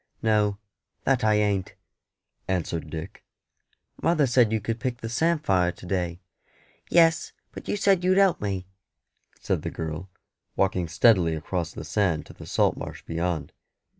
"No, that I ain't," answered Dick, "mother said you could pick the samphire to day." "Yes, but you said you'd help me," said the girl, walking steadily across the sand to the salt marsh beyond.